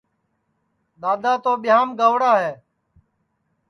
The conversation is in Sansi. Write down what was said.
دؔادؔا تو ٻِہِیام گئوڑا ہے